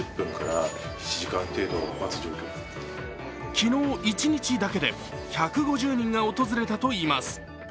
昨日一日だけで１５０人が訪れたといいます。